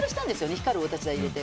光るお立ち台入れて。